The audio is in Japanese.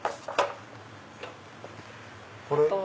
これ。